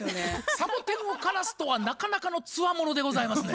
サボテンを枯らすとはなかなかのつわものでございますね。